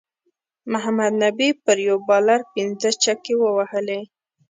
محمد نبی پر یو بالر پنځه چکی ووهلی